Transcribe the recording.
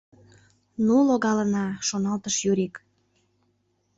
«Ну, логалына! — шоналтыш Юрик.